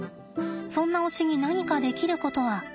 そんな推しに何かできることは。